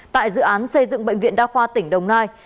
tại dự án xây dựng bệnh viện đa khoa tỉnh đồng nai